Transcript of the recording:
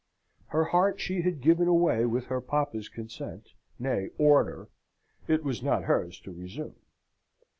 Her heart she had given away with her papa's consent nay, order it was not hers to resume.